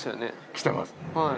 来てますね。